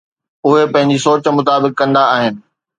اهي پنهنجي سوچ مطابق ڪندا آهن.